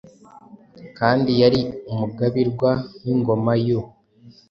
kandi yari umugabirwa w’ingoma y’u